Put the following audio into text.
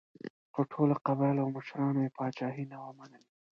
خو ټولو قبایلو او مشرانو یې پاچاهي نه وه منلې.